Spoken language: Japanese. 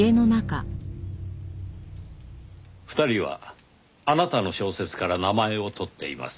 ２人はあなたの小説から名前を取っています。